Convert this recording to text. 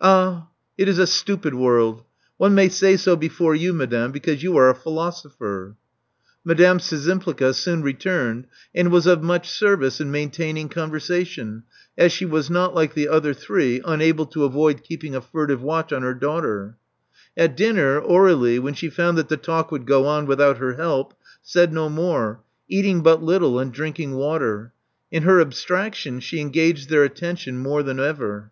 Ah, it is a stupid world! One may say so before you, madame, because you are a philosopher." Madame Szczympliga soon returned, and was of much service in maintaining conversation, as she was not, like the other three, unable to avoid keeping a furtive watch on her daughter. At dinner, Aur^lie, when she found that the talk would go on without her help, said no more, eating but little, and drinking water. In her abstraction, she engaged their attention more than ever.